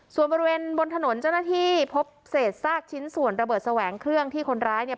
ส่วนบริเวณบนถนนเจ้าหน้าที่พบเศษซากชิ้นส่วนระเบิดแสวงเครื่องที่คนร้ายเนี่ย